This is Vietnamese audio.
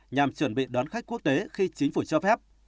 nhằm chuẩn bị đón khách quốc tế khi chính phủ cho phép